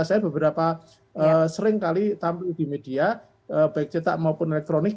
saya beberapa seringkali tampil di media baik cetak maupun elektronik